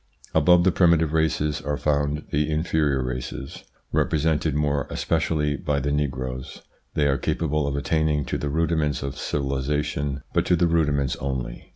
Above the primitive races are found the inferior races, represented more especially by the negroes. They are capable of attaining to the rudiments of civilisation, but to the rudiments only.